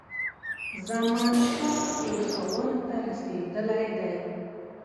زمانشاه پېښور ته رسېدلی دی.